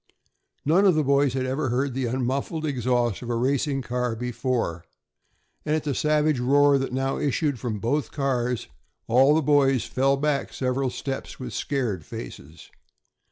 None of the boys had ever heard the unmuffled exhaust of a racing car before, and at the savage roar that now issued from both cars all the boys fell back several steps with scared faces.